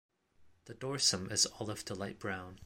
The dorsum is olive to light brown.